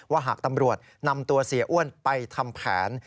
หากตำรวจนำตัวเสียอ้วนไปทำแผน